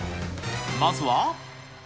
まずは。